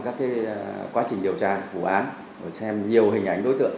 các quá trình điều tra vụ án xem nhiều hình ảnh đối tượng